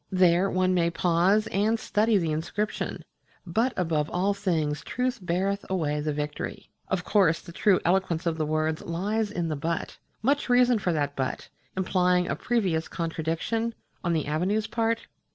There one may pause and study the inscription But Above All Things Truth Beareth Away the Victory ... of course the true eloquence of the words lies in the But. Much reason for that But, implying a previous contradiction on the Avenue's part?